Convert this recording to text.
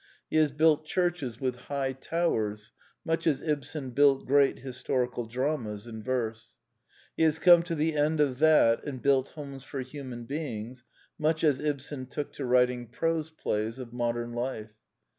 He has built churches with high towers (much as Ibsen built great historical dramas in verse). He has come to the end of that and built '* homes for human beings " (much as Ibsen took to writing prose plays of modern life).